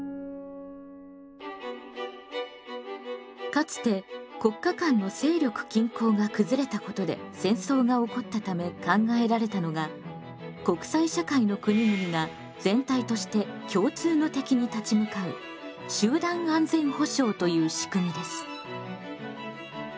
かつて国家間の勢力均衡が崩れたことで戦争が起こったため考えられたのが国際社会の国々が全体として共通の敵に立ち向かう集団安全保障というしくみです。